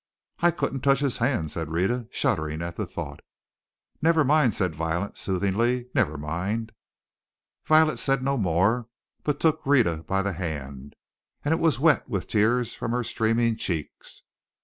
"I couldn't touch his hand!" said Rhetta, shuddering at the thought. "Never mind," said Violet, soothingly; "never mind." Violet said no more, but took Rhetta by the hand, and it was wet with tears from her streaming cheeks.